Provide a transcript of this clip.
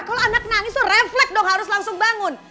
kalau anak nangis tuh refleks dong harus langsung bangun